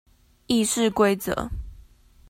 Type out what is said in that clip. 議事規則